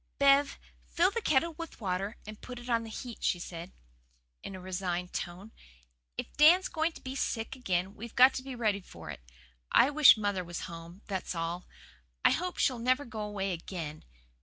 "Bev, fill the kettle with water and put it on to heat," she said in a resigned tone. "If Dan's going to be sick again we've got to be ready for it. I wish mother was home, that's all. I hope she'll never go away again.